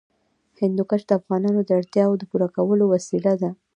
هندوکش د افغانانو د اړتیاوو د پوره کولو وسیله ده.